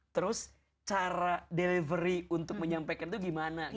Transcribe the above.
terus cara delivery untuk menyampaikan tuh gimana gitu